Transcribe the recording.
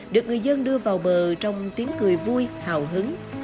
được người dân đưa vào bờ trong tiếng cười vui hào hứng